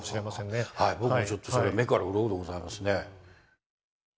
僕もちょっとそれは目からウロコでございますね。